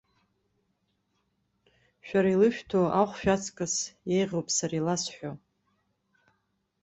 Шәара илышәҭо ахәшә аҵкыс еиӷьуп сара иласҳәо.